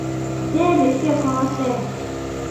Теве кӧ каласен...